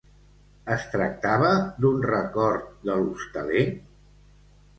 Es tractava d'un record de l'hostaler?